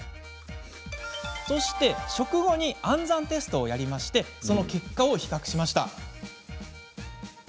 そして食後に暗算テストを行いその結果を比較しました。